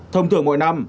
thông thường mỗi năm